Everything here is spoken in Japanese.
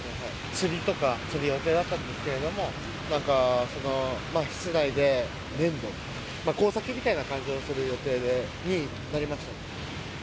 釣りとかする予定だったんですけれども、なんか、室内で、粘土、工作みたいのをする予定になりました。